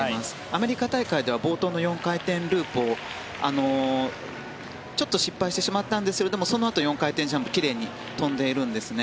アメリカ大会では冒頭の４回転ループをちょっと失敗してしまったんですがそのあと、４回転ジャンプを奇麗に跳んでいるんですね。